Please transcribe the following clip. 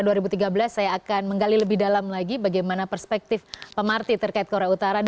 dan bagaimana anda mengunjungi indonesia saya akan menggali lebih dalam lagi bagaimana perspektif pemarti terkait korea utara